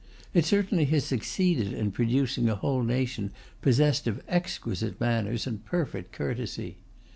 It certainly has succeeded in producing a whole nation possessed of exquisite manners and perfect courtesy.